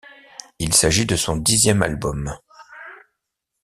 Il s'agit de son dixième album.